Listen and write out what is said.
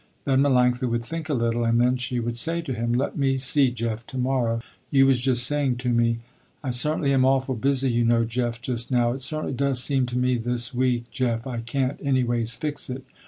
Then Melanctha would think a little, and then she would say to him, "Let me see Jeff, to morrow, you was just saying to me. I certainly am awful busy you know Jeff just now. It certainly does seem to me this week Jeff, I can't anyways fix it.